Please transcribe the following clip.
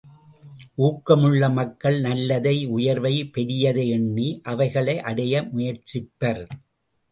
ஊக்கமுள்ள மக்கள் நல்லதை, உயர்வை, பெரியதை எண்ணி, அவைகளை அடைய முயற்சிப்பர்.